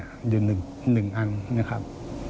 อยู่๑อันนะครับ